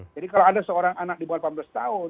jadi kalau ada seorang anak di bawah delapan belas tahun